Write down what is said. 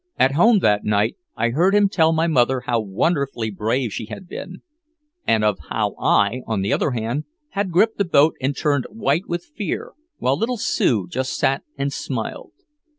At home that night I heard him tell my mother how wonderfully brave she had been, and of how I, on the other hand, had gripped the boat and turned white with fear, while little Sue just sat and smiled.